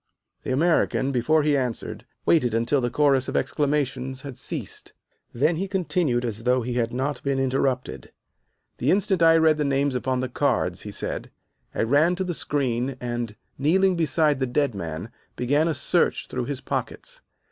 The American, before he answered, waited until the chorus of exclamations had ceased. Then he continued as though he had not been interrupted. "The instant I read the names upon the cards," he said, "I ran to the screen and, kneeling beside the dead man, began a search through his pockets.